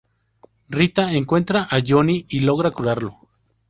Rita encuentra a Johnny y logra curarlo.